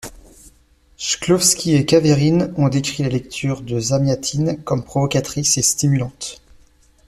Chklovski et Kaverine ont décrit les lectures de Zamiatine comme provocatrices et stimulantes.